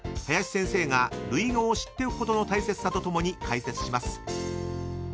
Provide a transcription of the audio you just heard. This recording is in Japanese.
［林先生が類語を知っておくことの大切さとともに解説します］